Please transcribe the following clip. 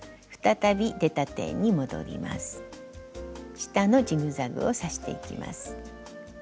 下のジグザグを刺していきます。